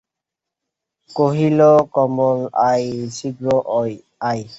কহিল, কমল, আয়, শীঘ্র আয়।